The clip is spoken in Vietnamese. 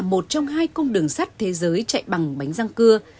tuyến đường sắt khi là một trong hai công đường sắt thế giới chạy bằng bánh răng cưa